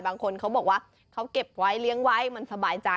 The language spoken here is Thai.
บางคนเขาบอกว่าเขาเก็บไว้เลี้ยงไว้มันสบายใจ